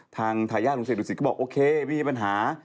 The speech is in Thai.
ทางทายาทลุงเศษดูสิตก็บอกโอเคไม่มีปัญหา